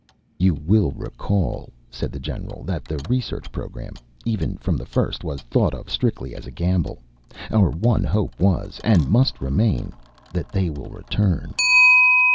"You will recall," said the general, "that the research program, even from the first, was thought of strictly as a gamble. Our one hope was, and must remain, that they will return."